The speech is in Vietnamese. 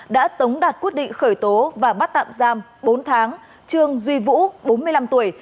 đã tống đạt quyết định khởi tố và bắt tạm giam bốn tháng trương duy vũ bốn mươi năm tuổi